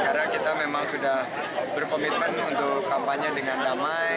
karena kita memang sudah berkomitmen untuk kampanye dengan damai